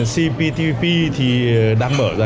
cptpp thì đang mở ra